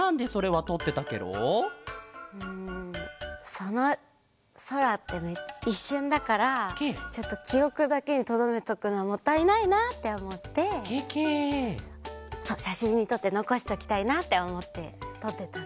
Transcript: そのそらっていっしゅんだからちょっときおくだけにとどめとくのはもったいないなっておもってしゃしんにとってのこしておきたいなっておもってとってたかな。